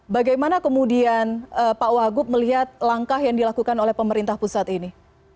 bagaimana kemudian pak wagub melihat langkah yang dilakukan oleh pemerintah pusat ini